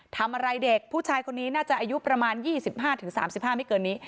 ทำอะไรเด็กผู้ชายคนนี้น่าจะอายุประมาณ๒๕๓๕ไม่เกินนี้